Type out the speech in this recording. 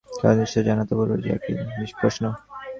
কথাটা নিশ্চিত জানা, তবু রোজই একই প্রশ্ন।